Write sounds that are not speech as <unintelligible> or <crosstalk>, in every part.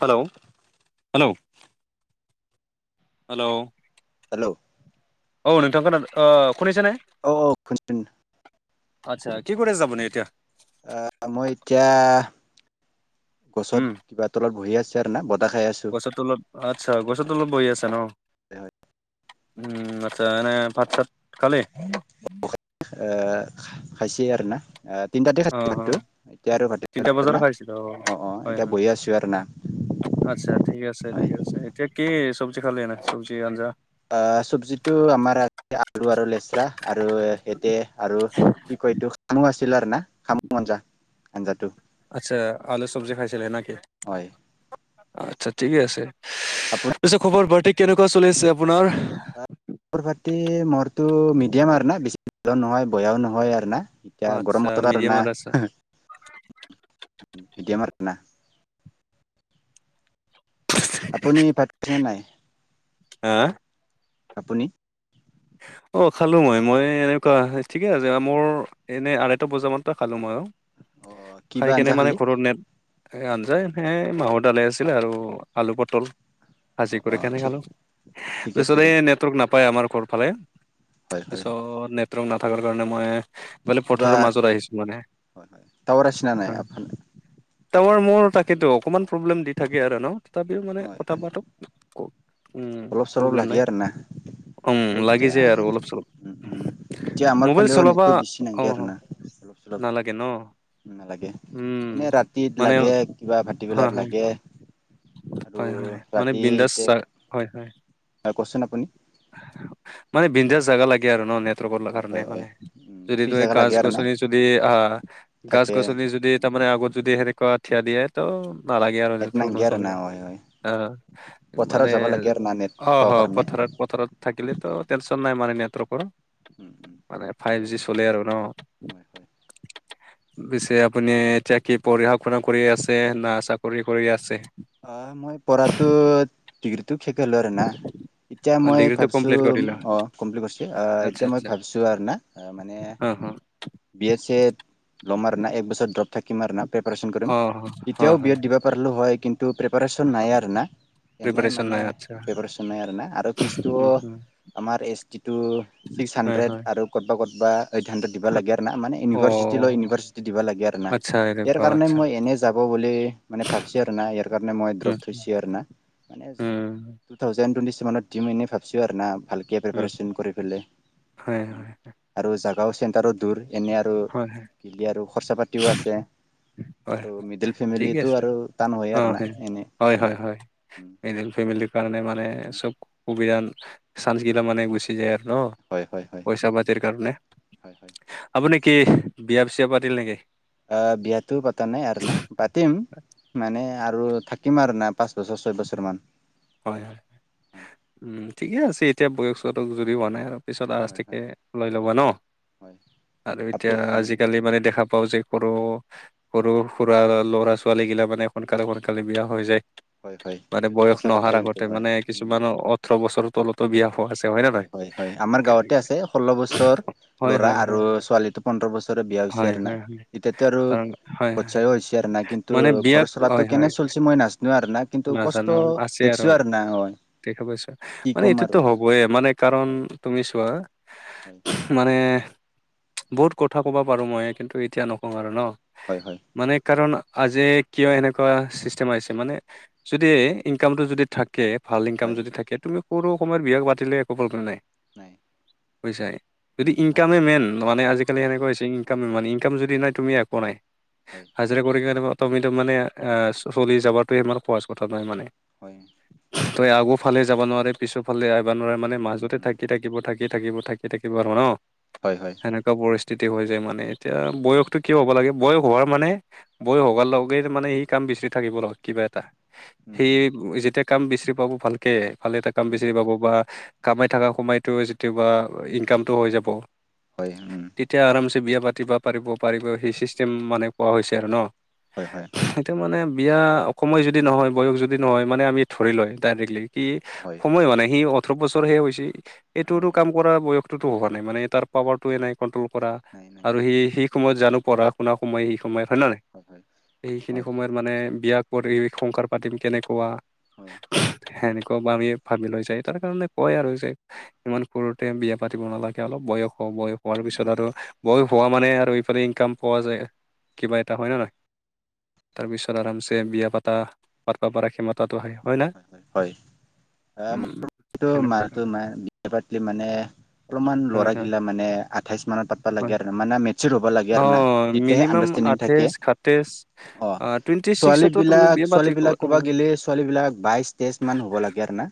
Hello, hello. Hello. Hello. অ', <unintelligible> অ', শুনিছেনে। অ', অ'। <unintelligible> অ', আচ্ছা, কি কৰি আছে আপুনি এতিয়া। আ মই এতিয়া গছত উম কিবা তলত বহি আছোঁ আৰু না বতাহ খাই আছো। গছৰ তলত আচ্ছা গছৰত বহি আছা ন। উম আচ্ছা এনে ভাত চাত খালি। এ খাই খাইছে আৰু না। তিনটাতে অ খাইছো অ ভাতটো এতিয়া আৰু ভাত তিনিটা <unintelligible> বজাত না খাইছিলো অ অ হয় এতিয়া হয় বহিয়ে আছো আৰু না। আচ্ছা ঠিক আছে হয় ঠিকে আছে এতিয়া কি চব্জি খালি এনে চব্জি আঞ্জা। আ চবজিটো আমাৰ আ আলু আৰু লেচেৰা। আৰু এতে আৰু কি কয় এইটো। খামু আছিল আৰু না খামুং আঞ্জা আঞ্জাটো। আচ্ছা আলু চব্জি খাইছিলা নেকি। হয়। আচ্ছা ঠিকে আছে আপোনাৰ পিছে খবৰ বাৰ্তিক কেনেকুৱা চলি আছে আপোনাৰ। খবৰ খাতি মোৰটো মিডিয়াম আৰু না বেছি ভাল নহয় বেয়াও নহয় আৰু না। এতিয়া আচ্ছা গৰম বতৰ আৰু না মিডিয়ামত আছে মিডিয়াম আৰু না। আপুনি ভাত খাইছা নাই। হা। আপুনি। অ খালো মই মই এনেকুৱা ঠিকে আছে মোৰ। এনেই আঢ়ৈটা বজামানতে খালো মইও অ খাই কিবা কেনে আঞ্জা মানে খালি ঘৰত নেট। আঞ্জায়ে মাহৰ দালে আছিলে আৰু আলু পটল। অ সাজি অ কৰি কেনে ঠিক খালো ঠিকে পিছত ঠিকে এই নেটৱৰ্ক নাপায় আমাৰ ঘৰ ফালে। হয় হয় পিছত নেটৱৰ্ক নাথকাৰ কাৰণে মই বোলে কিবা পথাৰৰ মাজত আহিছো মানে। হয় হয় টাৱাৰ আছে না নাই আপ তাৱাৰ মোৰ তাকেতো অকণমান প্ৰব্লেম দি থাকে আৰু ন তথাপিও মানে হয় কথা হয় পাতো কওক। উম অলপ চলপ প্ৰব্লেম লাগে নাই। আৰু না উম লাগি এতিয়া যায় আৰু অলপ চলপ উম উম এতিয়া আমাৰ মোবাইল ফালেও চলাবা নেটটো বেছি অ নালগে আৰু অ। না অলপ চলপ নালাগে ন। নালাগে উম। এনেই ৰাতিত মানে লাগে কিবা হয় ভাটিবেলাৰ হয় লাগে। আৰু হয় হয় মানে ৰাতি বিন্দাছ এতিয়া হয় হয়। কওকচোন আপুনি মানে বিন্দাছ জেগা লাগে আৰু ন নেট ৱৰ্ক হয় কাৰণে হয় হয় মানে উম যদি ফ্ৰী তুই জেগা লাগে আৰু না গছ-গছনি যদি আহ গছ- থাকে গছনি যদি তাৰ মানে আগত যদি সেনেকুৱা ঠিয়া দিয়ে ত নালাগে আৰু এনে নেট নেটৱৰ্ক নাংগে নছ আৰু লে, না হয় হয় অ পথাৰত মানে যাব লাগে আৰু না নেট অ পাব অ কাৰণে পথাৰত পথাৰত থাকিলে তো টেনচন নাই মানে নেটৰ্কৰ। উম উম মানে ঠিক ফাইভ জি আছে চলে আৰু ন। হয় হয় পিছে আপুনি এতিয়া কি পঢ়া শুনা কৰি আছে না চাকৰি কৰি আছে? অ, মই পঢ়াতো ডিগ্ৰীটো শেক লোৰো না। এতিয়া মই ডিগ্ৰীটো ভাবছোঁ কমপ্লিট কৰিলা অঁ, কমপ্লিট কৰিছো আচ্ছা এতিয়া মই আচ্ছা ভাবছোঁ আৰু না মানে অ বি এ চেদ ল'ম আৰু ন এক বছৰ ড্ৰপ থাকিম আৰু প্ৰিপচন অ কৰিম অ অ তেতিয়াও হয় বি দিবা পাৰিলো হয় কিন্তু পেপাৰিচন নাই আৰু না এনেই প্ৰিপাৰেচন মানে নাই আচ্ছা প্ৰেপাৰচন নাই আৰু না আৰু ফিজটো উম উম আমাৰ এছ টিটো ছিক্স হয় হাণ্ড্ৰেড হয় আৰু ক'বা ক'ৰবাত এইট হাণ্ড্ৰেড দিবা লাগে। না মানে অ ইউনিভাৰ্চিটি লৈ ইউনিভাৰ্চিটি দিব লাগে আৰু না। আচ্ছা ইয়াৰ এনেকুৱা কাৰণে আচ্ছা মই এনে যাব বুলি মানে ভাবিছো আৰু না ইয়াৰ কাৰণে মই দ্ৰপ উম থৈছো আৰু না। মানে উম টু থাউজেন টোৱেন্টি চছেনত দিম এনে ভাবছো আৰু না ভাল। কে উম প্ৰিপাৰ্যন কৰি পেলাই হয় হয় আৰু জাগাও চেণ্টাৰো দূৰ। এনে আৰু হয় হয় কি আৰু খৰচা পাতিও আছে। হয় আৰু হয়। মিডিল ফেমিলি ঠিকে আছে আৰু টান হয় আৰু না এনে। হয় হয় হয়। মিডিল ফেমিলিৰ কাৰণে মানে চব সুবিধা চান্স গিলা মানে গুচি যায় আৰু ন। হয় হয় হয় পইচা পাতিৰ কাৰণে হয় হয়। আপুনি কি বিয়া-চিয়া পাতিল নেকি? আহ বিয়াটো পতা নাই আৰু ন পাতিম। মানে আৰু থাকিম আৰু না পাঁচ বছৰ ছয় বছৰ মান। হয় হয় হয় উম ঠিকে আছে এতিয়া বয়সটোক যদি বোৱা নাই আৰু পিছত হয় আসকে হয় লৈ ল'ব ন। হয়। আৰু এতিয়া আপু উম উম আজিকালি উম মানে দেখা পাও যে সৰু সৰু-সুৰা ল'ৰা-ছোৱালী গিলা মানে সোনকালে সোনকালে বিয়া হৈ যায়। হয় হয় এইটো সঁচা কথা। অহাৰ কিন্তু আগতে হয় মানে উম। কিছুমান ওঠৰ বছৰ তলতো বিয়া হোৱা আছে। নে হয় নহয়? হয় হয় আমাৰ গাঁৱতে আছে ষোল্ল বছৰ হয় ল'ৰা হয় আৰু হয় ছোৱালীটো। পোন্ধৰ বছৰে বিয়া হৈছে হয় আৰু না হয় হয় এতিয়াতো আৰু কাৰণ হয় হয় পচায়ও হৈছে আৰু নাই কিন্তু মানে ঘৰ বিয়াত চলাটো হয় হয় কেনে পিছে মই নাচো আৰু না, কিন্তু কষ্ট নাজানো আছে আৰু দেখছো না হয় দেখা পাইছো কি মানে ক'ম আৰু এইটোতো আৰু হবইে মানে। কাৰণ হয় তুমি চোৱা হয় মানে বহুত কথা ক'ব পাৰো মই কিন্তু এতিয়া নকওঁ আৰু ন। হয় হয় মানে কাৰণ আজি কিয় এনেকুৱা চিষ্টেম আহিছে মানে যদি ইনকামটো যদি থাকে ভাল ইনকাম হয় যদি থাকে তুমি সৰু সময়ৰ বিয়া পাতিলে একো প্ৰব্লেম নাই। নাই। পছাই যদি উম হয় ইনকামে মেইন মানে আজিকালি হয় এনেকুৱা হৈছে। হয় মানে উম ইনকাম যদি নাই তুমি একো নাই। হয়। হাজিৰা কৰি কাৰণ অটমেট মানে চলি যাবাতে ইমান সহজ কথা নহয় মানে। হয়। তই আগ ফালে যাব নোৱাৰে পিছৰ ফালে আহিবা নোৱাৰে নিশ্চয়। মানে উম মাজতে উম থাকি থাকিব থাকে। থাকি থাকিব থাকি থাকিব আৰু ন। হয় হয়। এনেকুৱা পৰিস্থিতি হৈ যায় মানে এতিয়া হয় বয়সতটো কিয় হ'ব লাগে, বয়স হোৱাৰ মানে বয়স হোৱাৰ লগে মানে ই কাম বিচাৰি থাকিব লগ কিবা এটা। উম সেই উম যেতিয়া কাম বিচি পাব ভালকে ভালে এটা কাম উম বিচাৰি পাব বা কামাই থকা সোমাইতো যেতিয়াবা ইনকামটো হৈ যাব। হয়। এতিয়া আৰামছে বিয়া পাতিব পাৰিব পাৰিব সেই চিষ্টেম মানে কোৱা হৈছে আৰু ন। হয় হয়। এতিয়া মানে বিয়া সময় যদি নহয় বয়স যদি নহয় মানে আমি ধৰি লয় ডাইৰেক্টলি। কি হয় সময় মানে সি ওঠৰ বছৰহে হৈছে এইটোতো হয় কাম। বয়সতো হোৱা নাই মানে তাৰ পাৱাৰে নাই কন্ট্ৰল কৰা নাই নাই আৰু স শ সময়ত জানো পঢ়া শুনা সময় সেই সময়ত হয় নে নহ নাই সেইখিনি হয় সময়ত মানে বিয়া কৰি। শংস পাতিম কেনেকুৱা। হয়। সেনেকা বা আমি ভাবি লৈ যায় তাৰ কাৰণে কয় আৰু যে। ইমান সৰুতে বিয়া পাতিব নালাগে অলপ বয়স হ বয়স হোৱাৰ উম পিছত উম আৰু বয়ো হোৱা মানে আৰু এইফালে ইনকাম পোৱা যায়, কিবা এটা হয় নে নহয়। তাৰ পিছত আৰামছে বিয়া পাতা, পাতব পৰা ক্ষমাতাটো হয়। হয় ন। অ মোৰটো মাৰতো নাই বিয়া পাতি মানে। অলপমান হয় ল'ৰা হয় ঘিলা মানে আঠাইছ মানত পাতবা হয় লাগে আৰু ন মানে মেচ হ'ব লাগে আৰু না যেতিয়া আডাৰেণ্ডিং। আঠচ শাতেশ টুৱেন্টি ছোৱালী চিক্টো, বিলাক ছোৱালী বিলাক ক'বাত গ'লে ছোৱালী বিলাক বাইশ তেইশ মান হ'ব লাগে আৰু না।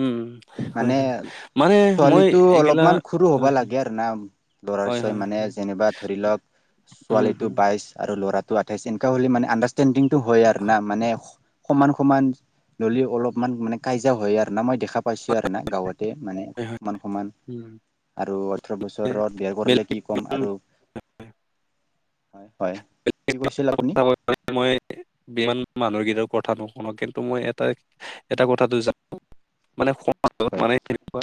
উম, হয় মানে হয় মানে মই ছোৱালীটো এইগিলা অলপমান সৰু হ'বা লাগে আৰু না। ল'ৰা হয় ছোৱালী হয় মানে হয় যেনিবা ধৰি লওঁক, উম উম ছোৱালীটো হুম, বাইচ আৰু ল'ৰাটো আঠাইছ এনেকুৱা হ'লে মানে আণ্ডাৰষ্টেণ্ডিংটো হয় আৰু না মানে সমান- সমান ল'লি অলপমান মানে কাজয়া হয় আৰু না মই দেখা পাইছো আৰু না গাঁৱত। তে মানে হয় হয় সমান- সমান উম আৰু ওঠৰ বছৰত বিয়া কৰিলে কি ক'ম আৰু হয়, কি কৈছিল আপুনি। মই ইমান মানুহ <unintelligible> কথা নুশুনো, কিন্তু মই এটা- এটা কথাটো মানে <unintelligible> হয় মানে এনেকুৱা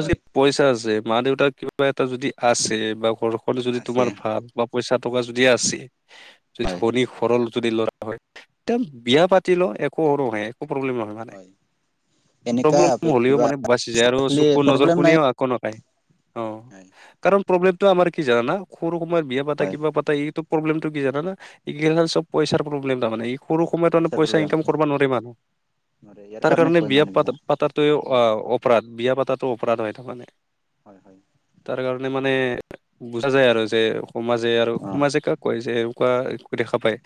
হয় পইচা আছে, মা দেউতা কিবা এটা যদি আছে, বা ঘৰখন যদি আছে তোমাৰ ভাল বা পইচা টকা যদি আছে, যদি হয় ধনী ঘৰৰ যদি ল'ৰা হয়, তে বিয়া পাতিলেও একো সৰু নহয়, একো প্ৰব্লেম নহয়। হয় এনেকা প্ৰব্লেম হ'লেও কিবা মানে বাচি যায় আৰু চকুৰ নজৰ প্ৰব্লেম নাই কোনেও <unintelligible> কাই অ', কাৰণ প্ৰব্লেমটো আমাৰ কি জানানা সৰু সময়ত বিয়া পাতা হয় কিবা পাতা এইটো প্ৰব্লেমটো কি জানা না, এই চব পইচাৰ প্ৰব্লেম তাৰ মানে সৰু সময়ত অলপ পইচাৰ পইচা প্ৰব্লেম ইনকাম কৰিব নোৱাৰি মানুহ। ইয়াৰ তাৰ কাৰণে কয় বিয়া পাতা মানুহবিলাক পাতাটোৱে অপৰাধ, বিয়া পাতাটো অপৰাধ হয় তাৰমানে। হয়- হয়। তাৰ কাৰণে মানে বুজা যায় আৰু যে সমাজে আৰু অ', সমাজে কাক কয় যে এনেকুৱা দেখা পায়,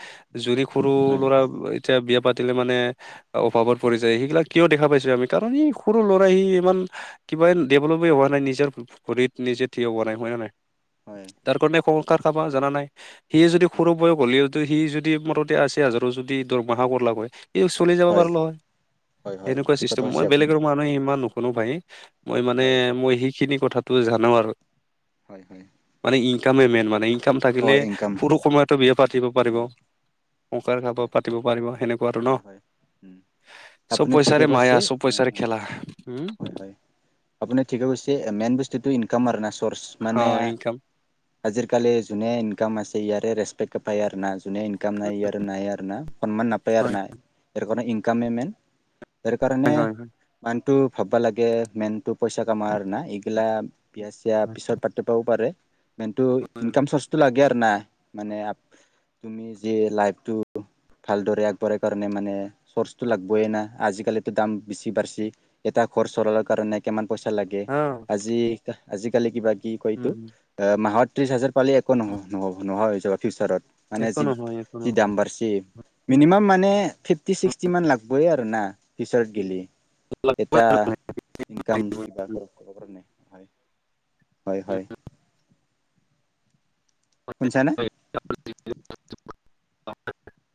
জুৰি সৰু হয়। ল'ৰা এতিয়া বিয়া পাতিলে মানে অভাৱত পৰি যায়, সেইবিলাক কিয় দেখা পাইছো আমি, কাৰণ ই সৰু ল'ৰাই সি ইমান কিবা ডেভলপ এ হোৱা নাই, নিজৰ ভৰিত নিজে থিয় হোৱা নাই হয় নে নাই। হয়। তাৰ কাৰণে সংসাৰ চাবা জানা নাই। সি যদি সৰু হয়। বয়স হ'লেও টো সি যদি মুঠতে আচি হাজাৰো যদি দৰমহা <unintelligible> হয় ইও চলি যাব পাৰলো হয়, হয় হয়, সেনেকুৱা ঠিক কথা চিষ্টেম কৈছে মই আপুনি। বেলেগৰ মানুহে ইমান নুশুনো ভাই। মই মানে হয় মই সেইখিনি কথাটোৱে জানো আৰু। হয়- হয়। মানে ইনকামে মেইন মানে ইনকাম থাকিলে, অ', ইনকাম। সৰু সময়তো বিয়া পাতিব পাৰিব। উম, <unintelligible> হয় পাতিব পাৰিব সেনেকুৱা ন হয়- হয়, উম। চব আপুনি ঠিকে পইচাৰে মায়া কৈছে, চব উম, পইচাৰে উম, খেলা উম হয়- হয়। আপুনি ঠিকে কৈছে, মেইন বস্তুটো ইনকাম আৰু না চৰ্চ অ মানে ইনকাম আজিৰ কালি যোনে ইনকাম আছে ইয়াৰে ৰেচপেকট পায় আৰু না যোনে ইনকাম নাই ইয়াৰ নাই আৰু না। অকনমান নাপায় আৰু হয় না তেৰ কাৰণে ইনকামে মেইন, তেওঁৰ কাৰণে হয় হয় হয় <unintelligible> ভাৱব লাগে মেইনটো পইচা কামাৰ না, এইগিলা বিয়া চিয়া পিছত পাত <unintelligible> পাৰে মেইনটো হয় ইনকম হয়। চৰ্চটো লাগে না, মানে আপ উনি যে লাইফটো ভালদৰে আগ পৰ কাৰণে মানে চৰ্চটো লাগবে এ না, আজিকালিতো দাম বেছি বাঢ়ছি। এটা ঘৰ চলাৰ কাৰণে। কিমান পইচা লাগে, অ আজি আজিকালি কিবা কি কয় এইটো উম এ মাহত ত্ৰিশ হাজাৰ পালি একো নহয় নহ নহয় যাব ফিউচাৰত। মানে একো যি- নহয় একো যি দাম বাঢ়চে। মিনিমাম মানে ফিফটি ছিক্সটিমান লাগবই আৰু না ফিউচাৰত গেলে। এটা ইনকাম কিবা নহয় <unintelligible> হয়-হয়। শুন চানে। <unintelligible>